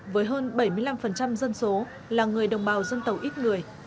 với hơn bảy mươi năm dân số là người đồng bào dân tộc ít người